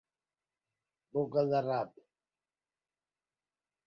Boca de rap.